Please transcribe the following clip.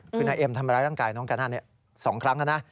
คือนายเอ็มทำร้ายร่างกายน้องกาน่า๒ครั้งแล้วนะ